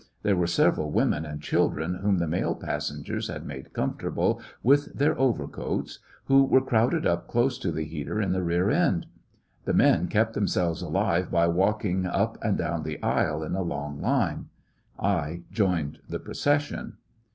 There were several women and children whom the male passengers had made comfortable with 74 ]}/lissionarY in tF^ Great West their overcoats, who were crowded up close to the heater in the rear end. The men kept themselves alive by walking up and down the aisle in a long line. I joined the procession.